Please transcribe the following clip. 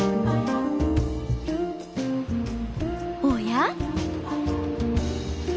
おや？